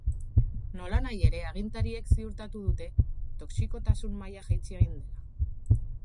Nolanahi ere, agintariek ziurtatu dute toxikotasun maila jaitsi egin dela.